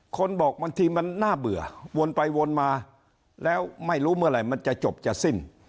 คนบอกบางทีมันน่าเบื่อวนไปวนมาแล้วไม่รู้เมื่อไหร่มันจะจบจะสิ้น